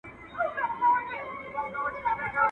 کرنه د هڅې او خلاقیت غوښتونکې ده.